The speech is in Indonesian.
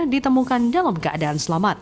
ditemukan dalam keadaan selamat